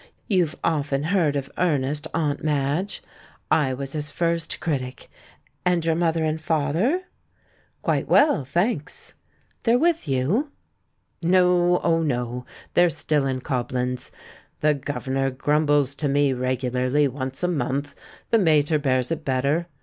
You've often heard of Ernest, Aunt Madge. I was his first critic. And your mother and father?" "Quite well, thanks." "They're with you?" 293 294 THE MAN WHO UNDERSTOOD WOMEN *'No, oh, no! they're still in Coblenz. The governor grumbles to me regularly once a month ; the mater bears it better.